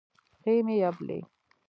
پښې مې یبلي